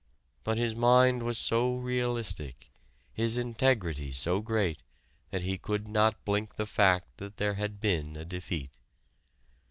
But his mind was so realistic, his integrity so great that he could not blink the fact that there had been a defeat.